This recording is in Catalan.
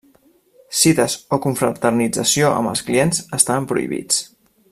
Cites o confraternització amb els clients estaven prohibits.